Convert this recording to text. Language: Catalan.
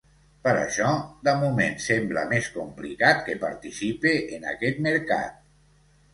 Per això de moment sembla més complicat que participe en aquest mercat.